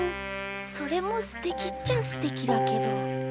それもすてきっちゃすてきだけど。